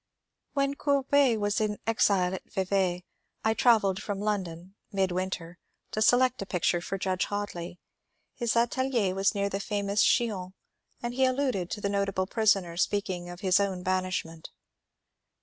When Courbet was in exile at Yevay I travelled from London (midwinter) to select a picture for Judge Hoadly. His atelier was near famous Chillon, and he alluded to the notable prisoner in speaking of his own banishment.